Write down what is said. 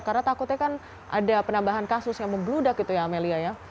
karena takutnya kan ada penambahan kasus yang membludak gitu ya amelia ya